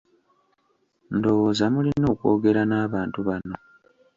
Ndowooza mulina okwogera n'abantu bano.